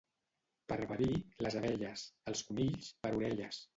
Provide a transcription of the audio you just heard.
Per verí, les abelles; els conills, per orelles.